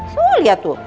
tuh lihat tuh